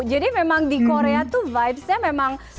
jadi memang di korea tuh vibesnya memang